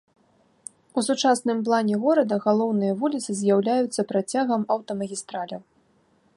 У сучасным плане горада галоўныя вуліцы з'яўляюцца працягам аўтамагістраляў.